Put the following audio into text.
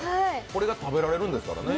これが食べられるんですからね。